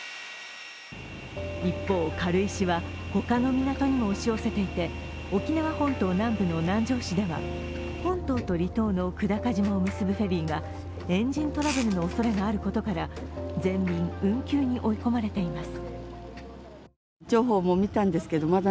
一方、軽石は他の港にも押し寄せていて沖縄本島南部の南城市では本島と離島の久高島を結ぶフェリーがエンジントラブルのおそれがあることから、全便運休に追い込まれています。